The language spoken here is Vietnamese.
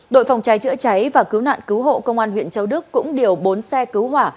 đội phòng cháy chữa cháy và cứu nạn cứu hộ công an huyện châu đức cũng điều bốn xe cứu hỏa